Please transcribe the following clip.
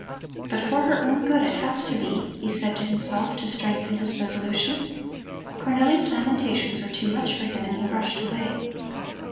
"But for her own good it has to be," he said to himself to strengthen his resolution. Cornelli's lamentations were too much for him and he rushed away.